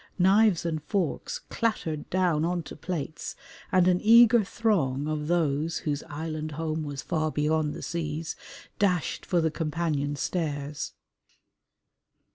Knives and forks clattered down on to plates and an eager throng of those "whose island home was far beyond the seas" dashed for the companion stairs.